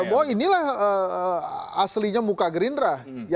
bahwa inilah aslinya muka gerindra